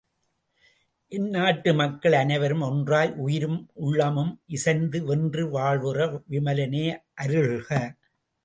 என் நாட்டு மக்கள் அனைவரும் ஒன்றாய் உயிரும் உள்ளமும் இசைந்து வென்று வாழ்வுற விமலனே அருள்க!